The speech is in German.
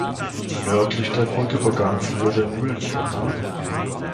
Nördlich der Brücke begann früher der Mühlenkanal.